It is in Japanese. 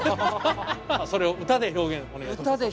それを歌で表現お願いします。